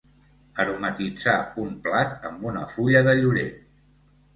Aromatitzar un plat amb una fulla de llorer.